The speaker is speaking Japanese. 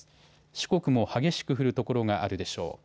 四国も激しく降る所があるでしょう。